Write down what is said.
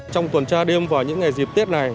trong tuần tra đêm vào những ngày dịp tết này